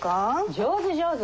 上手上手。